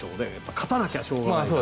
勝たなきゃしょうがないから。